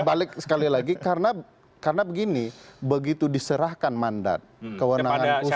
balik sekali lagi karena karena begini begitu diserahkan mandat keunangan khusus